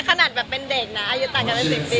ขนาดแบบเป็นเด็กนะอายุต่างกันเป็น๑๐ปี